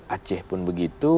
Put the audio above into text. aceh pun begitu